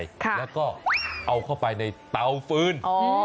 แล้วก็เอาเข้าไปในเตาฟืน